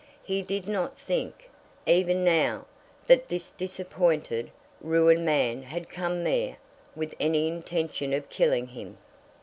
He did not think, even now, that this disappointed, ruined man had come there with any intention of killing him.